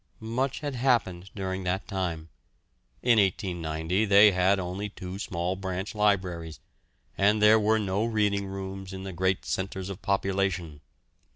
Much had happened during that time. In 1890 they had only two small branch libraries, and there were no reading rooms in the great centres of population.